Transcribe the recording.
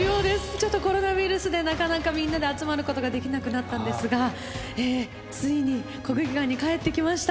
ちょっとコロナウイルスでなかなかみんなで集まることができなくなったんですがついに国技館に帰ってきました！